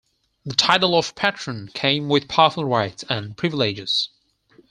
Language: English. The title of patroon came with powerful rights and privileges.